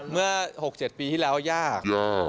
เมื่อ๖๗ปีที่แล้วยาก